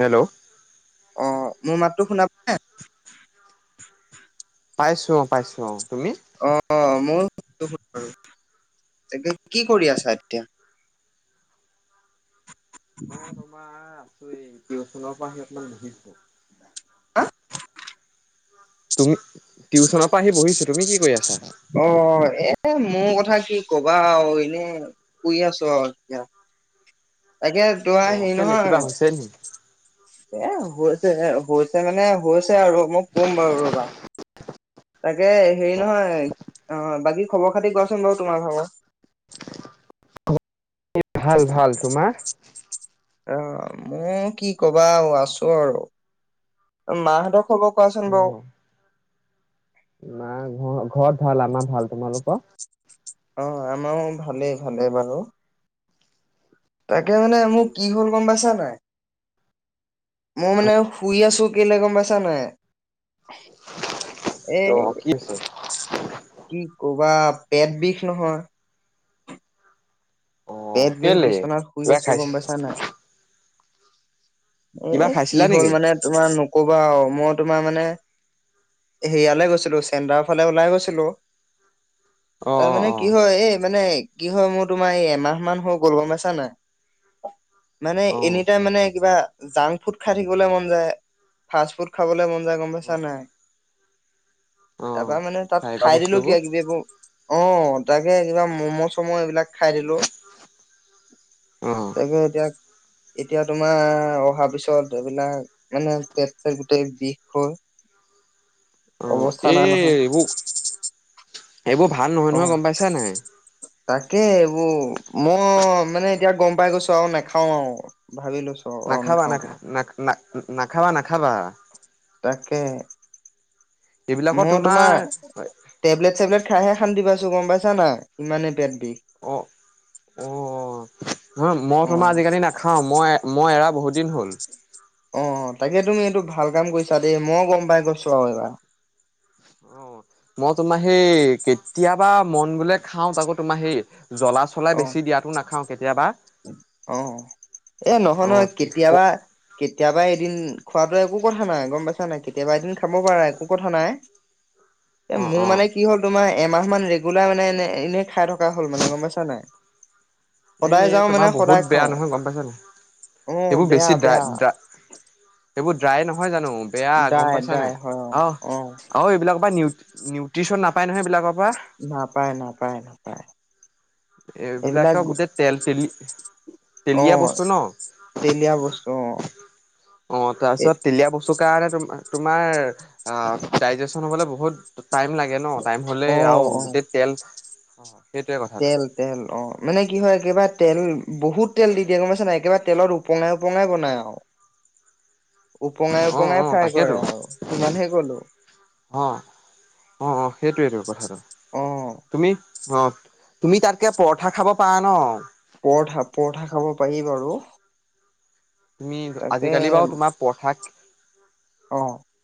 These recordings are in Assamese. হেল্ল' অ মোৰ মাতটো শুনাব নে পাইছো অ পাইছো অ তুমি ম কি কৰি আছা এতিয়া মই তোমাৰ আছো এইতিনৰ পৰা অকণমান বহিছো হা তুমি টিউচনৰ পৰা আহি বহিছো তুমি কি কৰি আছা? অ এ মোৰ কথা কি কবা আৰু এনে শুই আছো আৰু এতিয়া। তাকে তোৰা অ হেৰি কেলে কিবা নহয় হৈছে নি? এ হৈ হৈছে মানে হৈছে আৰু মই কম বাৰু ৰবা তাকে। হেৰি নহয় অ বাকী খবৰ খাতি কোৱাচোন বাৰু তোমাৰ ভাগৰ [inaudible] ভাল ভাল। তোমাৰ? আহ মও কি কবা অ আছো আৰু। মাহঁতক অ না ঘ ঘৰত ভাল আমাৰ ভাল তোমালোকৰ? অ আমাৰো ভালেই ভালে বাৰু তাকে মানে মোৰ কি হ'ল গম পাইছা নাই মই মানে শুই আছো কেলে গম পাইছা নাই? এ অ কি হৈছে কি কবা পেট বিষ নহয় এ অ পেট বিষ কেলে? বিচনাত শুই কিবা আছোঁ খাইছ গম পাইচা নাই। কিবা এ কি খাইছিলা হ'ল নেকি? মানে তোমাৰ নকবা আও, মই তোমাৰ মানে হেৰিয়ালে গৈছিলো চেণ্টাৰ ফালে ওলাই গৈছিলো। অ তাৰ অ মানে কি হয় এই মানে কি হয় মোৰ তোমাৰ এই এমাহ মান হৈ গ'ল গম পাইছা নাই? মানে অ অ এনিটাইম মানে কিবা জাংক ফুড খাই থাকিবলৈ মন যায়। ফাষ্ট ফুড খাবলৈ মন যায়। গম অ পাইছা নাই অ। তাৰাপৰা মানে তাত খোৱা খাই দিলো কিবা বস্তুবোৰ কিবি এইবোৰ অ তাকে কিবা ম'ম' চম' এইবিলাক খাই দিলো অ তাকে এতিয়া এতিয়া তোমাৰ অ তাৰ পিছত এইবিলাক মানে পেট চেট গোটেই বিষ হয়। অ এই বোৰ এইবোৰ ভাল নহয়, অ নহয় গম পাইছা নাই। ‌ তাকে এইবোৰ মই মানে এতিয়া গম পাই গৈছোঁ আৰু নাখাও আৰু, ভাবি লৈছোঁ। নাখাবা, নাখা না, না। নাখাবা। নাখাবা। তাকে। মোৰ তোমাৰ, টেবলেট চেবলেট খাইহে অশান্তি পাছো গম পাইছা নাই ইমানেই পেট বিষ অ অ অ মই তোমাৰ আজিকালি নাখাও, মই মই এৰা বহুত দিন হ'ল। অ তাকে তুমি এইটো ভাল কাম কৰিছা দেই, মইও গম পাই গৈছো আৰু এইবাৰ। অ মই তোমাৰ সেই কেতিয়াবা মদ বোলে খাও তাকৌ তোমাৰ সেই জ্বলা চলা অ বেছি দিয়াাতো নাখাওঁ কেতিয়াবা। অ এ নহয়, অ নহয়, ক কেতিয়াবা কেতিয়াবা এদিন খোৱাাতো একো কথা নাই, ‌ গম পাইছা নাই কেতিয়াবা এদিন খাব পাৰা একো কথা নাই এ অ মোৰ অ মানে কি হ'ল তোমাৰ এমাহ মান ৰেগুলাৰ মানে এনে এনেই খাই থকা হ'ল মানে গম পাইছা নাই সদায় [unintelligible] যাওঁ তোমাৰ মানে বহুত সদায় বেয়া খাওঁ নহয় গম পাইছ নাই? অ সেইবোৰ বেয়া বেছি বেয়া ড্ৰা এইবোৰ ড্ৰাই নহয় জানোঁ। বেয়া গম ড্ৰাই পাইছা ড্ৰাই নাই, হয় অ অ এইবিলাকৰ বা নিউ, নিউ [unintelligible] নাপায়। নাপায়। নাপায়। এইবিলাক এইবিলাকৰ গোটেই তেল, তেল, অ তেলীয়া বস্তু ন, অ তেলীয়া বস্তু অ এ তাৰপিছত তেলীয়া বস্তু কাৰণে তুমি তোমাৰ ডাইজেচন হ'বলৈ বহুত টাইম লাগে ন, টাইম হ'লে অ আৰু অ গোটেই তেল হয়। হয়। সেইটোৱে কথাটো তেল তেল অ' মানে কি হয়, একেবাৰে তেল বহুত তেল দি দিয়ে, গমাইছা নাই? ‌একেবাৰে তেলত ওপঙাই ওপঙাই বনাই আৰু। উপঙাই অ' উপঙাই অ' ফ্ৰাই কৰে তাকেইেতো। আৰু সিমানহে কলো অ' অ' অ' সেইটোৱেইটো কথাটো। অ তুমি অ' তুমি তাতকৈ পৰঠা খাব পাৰা ন। পৰঠা, পৰঠা খাব পাৰি বাৰু তুমি তাকে আজিকালি বাৰু তোমাৰ পঠাক অ উম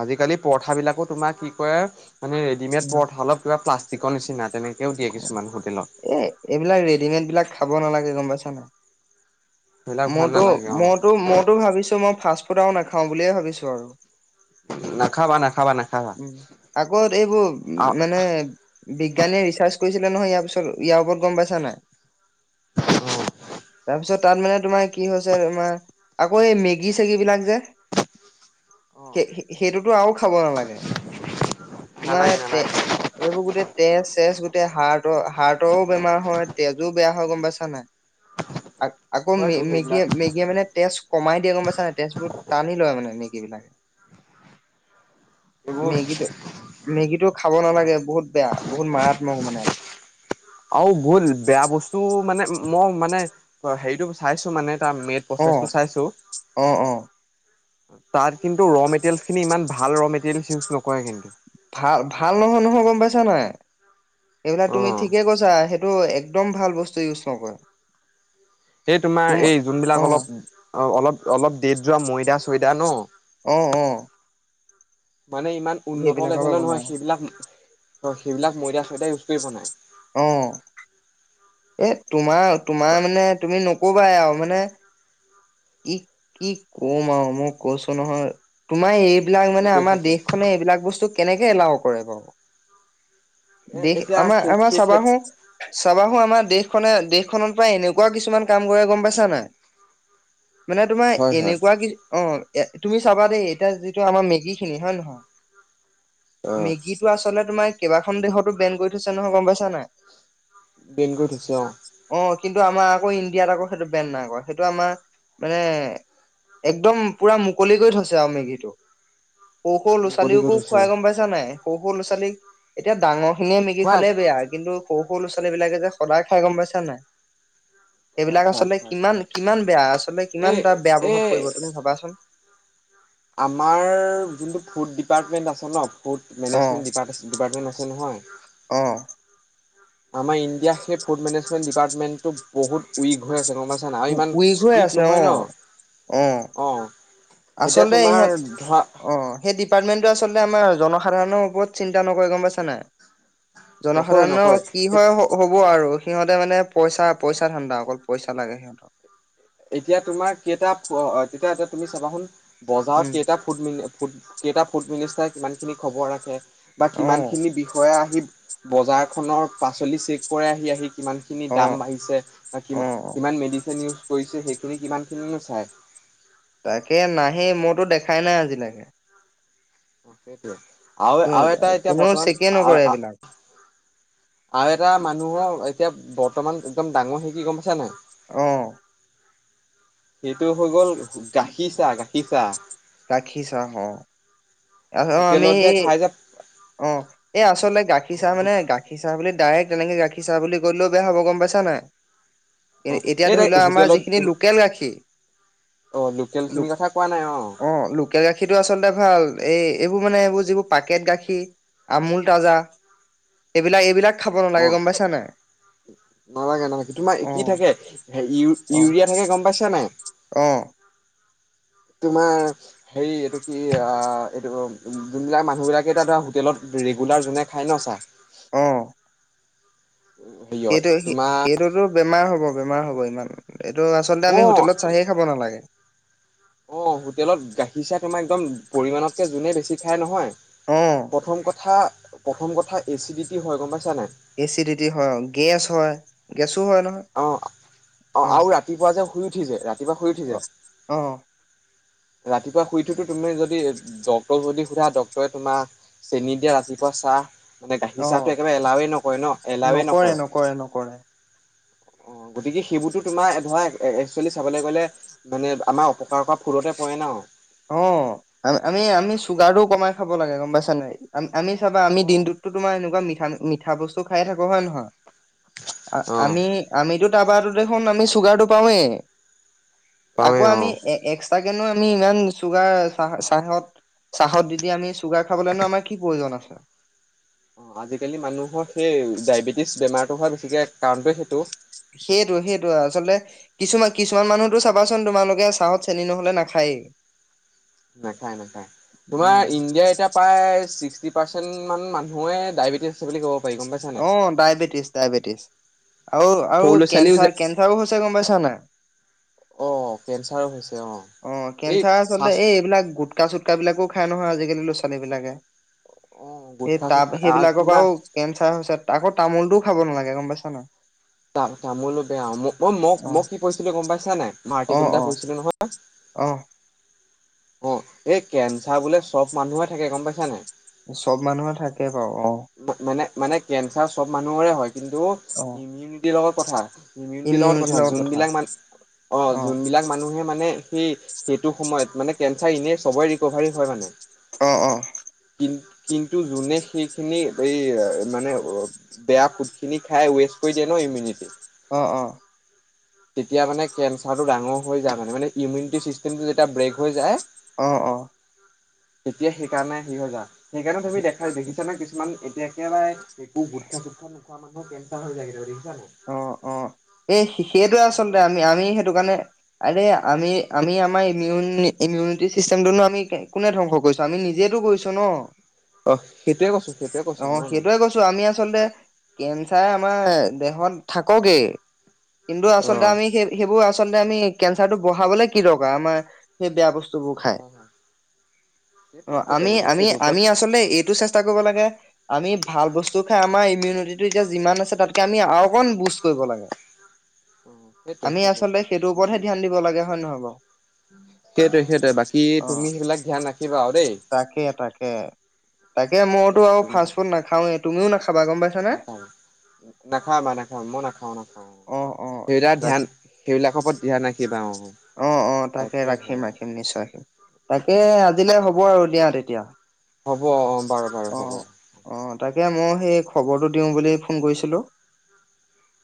আজিকালি পৰঠাবিলাকো তোমাৰ কি কৰে- মানেৰেডিমেড প অলপ কিবা প্লাষ্টি চিকন নিচিনাত। অ এ এইবিলাক ৰেডিমেড বিলাক খাব নালাগে গম পাইছোন সমান সেইবিলাক ভাল মইতো নালাগে অ মইতো মইতো ভাবিছো মই ফ মই তো নাখাওঁ বুলিয়ে ভাবিছো আৰু নাখাবা নাখাবা নাখাবা উ আকৌ এইবোৰ উ অ মানে বি বিজ্ঞানীয়ে ৰিচাৰ্চ কৰিছিলে নহয় ইয়াৰ পছত ইয়াৰ ওপৰত গম পাইছ নাই। তাৰপিছত। তাৰ মানে তোমাৰ কি হৈছে তোমাৰ আকৌ এই মেগী চেগী বিলাক যে অ সেইটোতো আৰু খাব নালাগে তোমাৰ নালাগে তে নালাগে এইবোৰ গোটেই তেজ চেজ গোটেই হাৰ্টৰ হাৰ্টৰও বেমাৰ হয় তেজো বেয়া হয় গম পাইছা নাই হয় তোক মেগীয়ে এইবিলাক মেগীয়ে মানে তেজ কমাই য়া গম পাইছা নাই তেজবোৰ টানি লয় মানে এনেক এই বিলাকে এইবোৰ মেগীটো মেগীটো খাব অ নালাগে বহুত বেয়া বহুত মাৰাত্মক মানে এইটো আৰু ভুল বেয়া বস্তু মানে মই মানে হেৰিতটো চাইছো মানে এটা মেইন অ প্ৰচছটো চাইছো অ অ তাত কিন্তু ৰ মেটেৰিয়েলছ খিনি ইমান ভাল ৰ মেটেৰিয়েলছ ইউজ নকৰে কিন্তু ভাল ভাল নহয় নহয় গম পাইছা নাই এইবিলাক অ তুমি ঠিকে কৈছা টো একদম ভাল বস্তু ইউজ নকৰে, সেই তোম তোমাৰ এই অ যোনবিলাক অলপ, অ অলপ অলপ দেট যোৱা ময়দা চয়দা ন, উম উম মানে ইমান উন্নত পৰা লেভেলৰ নহয় বনাই সেইবিলাক অ সেইবিলাক ময়দা চয়দায় পীৰ বনায়, আহ এ তোমাৰ তোমাৰ মে তুমি নকবাই মানে কি কি কম আৰু মই কৈছো নহয় তোমাৰ এই এই বিলাক মানে সেইটোৱে আমাৰ সেইটোৱে দেশখনে এইবিলাক বস্তু কেনেকে এলাও কৰে বাৰু এ দেশ এতিয়া আমাৰ সেই আমাৰ সেই ক্ষেত চাবাহো চাবাহো আমাৰ দেশখনে দেশ খনৰ পৰা এনেকুৱা কিছুমান কাম কৰে গম পাইছা নাই মানে তোমাৰ হয় হয় এনেকুৱা কি অ এ তুমি চাবা দেই এতিয়া যিটো আমাৰ মেগী খিনি হয় নে নহয় অ মেগীটো আচলতে তোমাৰ কিবা এখন দেশতো বেন কৰি থৈছে নহয় গম পাইছা নাই বেংগু ধচৰ অ কিন্তু আমাৰ আকৌ ইণ্ডিয়াত আকৌ সেইটো বেণ্ড নাই আকৌ সেইটো আমাৰ মানে একদম পুৰা মুকলি কৰি থছে আৰু মেগীটো সৰু সৰু ল'ৰা মুকলি ছোৱালীকো কৰি থৈছে খুৱাই গম পাইছা নাই সৰু সৰু ল'ৰা ছোৱালীক এতিয়া ডাঙৰ সে মিগী খোৱা খালে বেয়া কিন্তু স সৰু ল'ৰা ছোৱালী বিলাকে যে সদায় খাই গম পাইছা নাই খোৱা সেইবিলাক খোৱা আচলতে খোৱা খোৱা কিমান কিমান বেয়া আচলতে এই কিমান এ বেয়া প্ৰভাৱ এই পৰিব তুমি ভাবাচোন আমাৰ যোনটো ফু ডীপাৰ্টমেণ্ট আছে ন ফুড অ মেনেজমেণ্ট ডি ডিপাৰ্টমেণ্ট আছে নহয় অ আমাৰ ইণ্ডিয়া সেই ফুড মেনেজমেণ্ট ডিপাৰ্টমেন্টটো বহুত উইক হৈ আছে গম পাইছ ন আৰু ইমান উইক হৈ ষ্ট্ৰিক্ট আছে অ নহয় ন অ অঁ আচলতে ইহঁত অ সেইটো ডীপাৰ্টমেণ্টটো আচলতে আমাৰ জনসাধাৰণৰ ওপৰত চিন্তা নকৰে গম পাইছানাই নকয় নকয় জনসাধাৰণৰ কি হয় হব আৰু সিহঁতে মানে পইচা পইচা ধান্দা অকল পইচা লাগে সিহঁতৰ এতিয়া তোমাৰ কেইটা তেতিয়া এতিয়া তুমি চাবাচোন বজাৰত উম কেইটা ফু ম ফু কেইটা ফুড মিনিষ্টাৰে কিমানখিনি খবৰ ৰাখে বা অ কিমানখিনি বিষয়াে আহি বজাৰ খনৰ পাচলি চেক কৰে আহি আহি কিমান খিনি অ দাম বাঢ়িছে বা কি অ কিমান মেডিচিনউ কৰিছে সেইখিনি কিমানখিনো চাই তাকে নাহেই মইতো দেখাই নাই আজিলৈকে সেইটোৱে আৰু কো আৰু এটা এতিয়া কোনেও বৰ্তমান। চেকে নকৰে এইবিলাক আৰু এটা মানুহৰ এতিয়া বৰ্তমান একদম ডাঙৰ হে কি গম পাইছা নাই। অহ। সেইটো হৈ গ'ল গাখীৰ চাহ গাখীৰ চাহ। গাখি চাহ। আ আমি হোটেলত যে খাই যে অ এই আচলতে গাখীৰ চাহ মানে গাখীৰ চাহ বুলিো। ডাইৰেক্ট তেনেকে গাখিছা বুলি ক'লেও বেয়া'ব গম পাইছা নাই। কি অ এতিয়া সেই ধৰি লোৱা আমাৰ যিখিনি হোটেলত লোকেল গাখীৰ অ লোকেল খিনিৰ কথা কোৱা নাই অ লোকেল গাখীৰটো আচলতে ভাল। এই এইবোৰ মানে এইবোৰ যিবোৰ পাকেট গাখীৰ। আমুল তাজা। এইবিলাক এইবিলাক। খাব অ নালাগে গম পাইছা নাই নালাগে নালাগে তোমাৰ অ কি থাকে ইউ অ ইউৰিয়া থাকে গম পাইছা নে। অ তোমাৰ হেৰি এইটো কি এইটো যোনবিলাক মানুহ বিলাকে ধৰা হোটেলত ৰেগুলাৰ যোনে খাই ন চা। অ হেৰিয়ত সেইটো তোমাৰ সেইটোতো বেমাৰ হ'ব। বেমাৰ হ'ব ইমান। এইটো আচলতে অ আমি হোটেলত চাহে খাব নালাগে। অ হোটেলত গাখীৰ চাহ তোমাৰ একদম পৰিমানতকে যোনে বেছি খায় নহয়। অ প্ৰথম কথা। প্ৰথম কথা এচিডিটি হয় গম পাই। এচিডিটি হয় গেছ হয়। গেছ অ অ আৰু ৰাতিপুৱা যে শুই। ৰাতি যে ৰাতিপুৱা শুই উঠি অ যে আহ ৰাতিপুৱা শুই থোতো তুমি যদি ডক্তৰক যদি সুধা ডক্তৰে তোমাৰ চেনী দিয়া ৰাতিপুৱা চাহ। মানে গাখীৰ অ অ চাহটো একেবাৰে এলাওে নকৰে ন এলাওে নকৰে। অ গতিকে সেইবোৰতো তোমাৰ ধৰা একচুৱেলি চাবলৈ গলে মানে আমাৰ অপকাৰ কৰা ফুৰতে। কইনাও অ আমি আমি চুগাৰ টো কমাই খাব লাগে গম পাইছো। চ নাই আম। আমি চাবা আমি দিনতোত এনেকোৱা মিঠা। মিঠা বস্তু খাই থাকো হয় নহয়। অ' আমি আমিটো। তাপ টো দেখোন আমি চুগাৰ টো পাওঁৱেই। আকৌ পাওঁৱে আমি অ'। এক্স তাকেনো আমি ইমান চুগাৰ চ চাহত চাহত দি দি আমি চুগাৰ খাবলৈনো আমাৰ কি প্ৰয়োজন আছে। অ আজিকালি মানুহৰ সেই ডায়বেটিছ বেমাৰ হোৱা বেছিকে কাৰণটে সেইটো সেইটো সেইটো আচলতে কিছুমান কিছুমান মানুহতো চাবাচোন তোমালোকে চাহত চেনি নহলে নাখায়েই নাখায় নাখায় উম তোমাৰ ইণ্ডিয়াৰ এতিয়া প্ৰায় ছিক্সটি পাৰ্চেণ্ট মান মানুহে ডায়েবেটিছ আছে বুলি ক'ব পাৰি গম পাইছা নাই। অ ডায়বেটিছ ডায়বেটিছ আৰু আৰু সৰু ল'ৰা ছোৱালীও যে কেঞ্চাৰ কেঞ্চাৰও হৈছে গম পাইছা নাই অ কেঞ্চাৰো হৈছে। অ এই কেঞ্চাৰ আচলতে ফাৰ্ষ্ট এইবিলাক গোটকা চুটকা বিলাকো খাই নহয় আজিকালি লৰা ছোৱালী বিলাকে। অ সেই গুটখা টাব চুটখা আহ সেইবিলাকৰ কিমান পৰাও কেন্ঞ্চাৰ হৈছে আকৌ তামোলটোও খাব নালাগে গম পাইছা ন তা তামোল লতে অ মোক অ মোক কি কৈছিলে গম পাইছা নাই মই অৰ্তিকুল এটা কৰিছিলোঁ নহয়। আহ অ এই কেঞ্চাৰ বোলে চব মানুহে থাকে গম পাইছা নাই? চব মানুহৰে থাকে বাৰু অ মানে মানে কেঞ্চাৰ চব মানুহৰে হয় কিন্তু অ ইমিউনিটিৰ লগত কথা ইমিউনিটি লগত কথা যোনবিলাক মান অঁ অ যোনবিলাক মানুহে মানে সেই সেইটো সময়ত মানে কেঞ্চাৰ এনেই সবেই ৰিকভাৰী হয় মানে অ অ কি কিন্তু যোনে সেই খিনি এই মানে বেয়া ফুড খিনি খাই ৱেষ্ট কৰি দিয়ে ন ইমিউনিটি অ অ তেতিয়া মানে কেঞ্চাৰটো ডাঙৰ হৈ যায় মানে মানে ইমিউনিটি চিষ্টেমটো যেতিয়া ব্ৰেক হৈ যায়, অ অ তেতিয়া সেইকাৰণে সেই হৈ যা সেইকাৰণে তুমি দেখাই দেখিছানে কিছুমান এতিয়া একেবাৰে এইবোৰ গুটখা চুটখা নুখুৱা মানুহ মোৰ কেঞ্চাৰ হৈ যায় কেতিয়াবা যদি অ অ এই শিষিৰ সেইটোয়ে আচলতে সিহঁতৰ আমি আমি সেইটো কাৰণে আৰে আমি আমি আমাৰ ইমিউন ইমিউনিটি চিষ্টেমটোনো আমি কোনে ধ্বংস কৰিছোঁ আমি নিজেতো কৰিছোঁ ন। অ সেইটোৱে কৈছো সেইটোৱে কৈছো অ মই মই সেইটোয়ে কৈছোঁ আমি আচলতে কেঞ্চাৰে মই দেহত থাকগে কিন্তু অ আচলতে আমি সেই সেইবোৰ আ আচলতে আমি কেঞ্চাৰটো বহাবলে কি দৰকাৰ। আমাৰ সেই বেয়া বস্তু বস্তুবোৰ খাই। হয় হয় অ সেইটোৱে সেইটোৱে আমি গতিকে আমি সেইটোৰ ওপৰত আমি আচলতে এইটো চেষ্টা কৰিব লাগে আমি ভাল বস্তু খাই আমাৰ ইমিউনিটিটো এতিয়া যিমান আছে তাত আমি আৰু অকণ বুজ কৰিব লাগে। অ সেইটোৱে আমি সেইটোৱে আচলতে সেইটোৰ বাকী ওপৰতহে ধ্যান দিব লাগে হয় নহয় বাৰু, সেইটোৱে সেইটোৱে বাকী অ তুমি সেইবিলাক ধ্যান ৰাখিবা আৰু দেই তাকে তাকে তাকে, মইতো তাকেহে আৰু ফাষ্ট ফুড নাখাওৱে তুমিও নাখাবা গম পাইছা। নাখাওঁ। নাখাওঁ মই নাখাওঁ, মই নাখাওঁ নাখাওঁ অ অ সেইবিলাক তাকে ধ্যান সেইবিলাকৰ ওপৰত ধ্যান ৰাখিবা অ, অ অ তাকে সে ৰাখিম ৰাখিম আৰু। নিশ্চয় ৰাখিম তাকে আজিলে হ'ব আৰু দিয়া তেতিয়া। হ'ব অ, অ বাৰু বাৰু অ হ'ব। অ তাকে মই সেই খবৰটো দিওঁ বুলি ফোন কৰিছিলোঁ।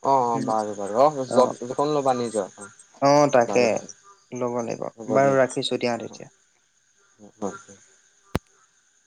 অ অ, বাৰু বাৰু অ যত্ন ল'বা নিজৰ অ বাৰু ল'ব লাগিব বু হ'ব বাৰু দিয়া ৰাখিছো দিয়া তেতিয়া অ।